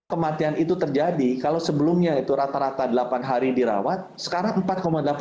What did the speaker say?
kematian itu terjadi kalau sebelumnya itu rata rata delapan hari dirawat sekarang empat delapan hari sudah wafat rata ratanya